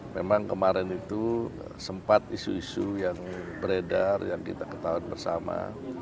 memang kemarin itu sempat isu isu yang beredar yang kita ketahui bersama